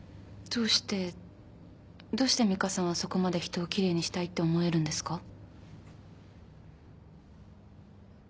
どうしてどうしてミカさんはそこまで人を奇麗にしたいって思えるんですか？